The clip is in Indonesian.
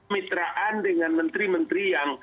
mitraan dengan menteri menteri yang